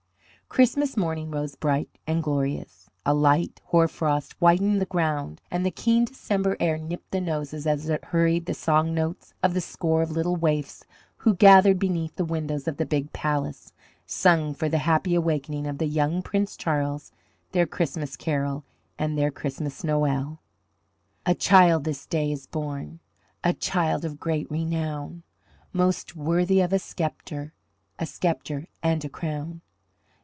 Christmas morning rose bright and glorious. A light hoarfrost whitened the ground and the keen December air nipped the noses as it hurried the song notes of the score of little waifs who, gathered beneath the windows of the big palace, sung for the happy awaking of the young Prince Charles their Christmas carol and their Christmas noel: A child this day is born, A child of great renown; Most worthy of a sceptre, A sceptre and a crown.